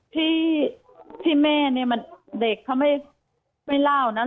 พี่พี่แม่เนี่ยมันเด็กเขาไม่เล่านะ